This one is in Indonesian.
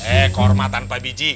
eh kehormatan pak biji